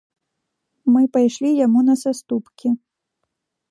Мы пайшлі яму на саступкі.